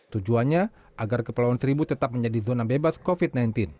tujuannya agar kepulauan seribu tetap menjadi zona bebas covid sembilan belas